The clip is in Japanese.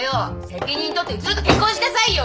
責任取ってうちのと結婚しなさいよ。